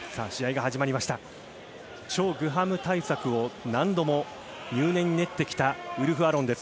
チョ・グハム対策を何度も入念に練ってきたウルフ・アロンです。